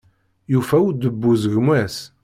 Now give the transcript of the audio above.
Yufa udebbuz gma-s.